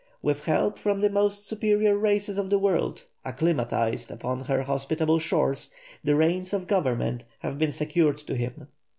With help from the most superior races of the world, acclimatized upon her hospitable shores, the reins of government have been secured to him.